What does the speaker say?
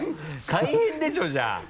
大変でしょう？じゃあ。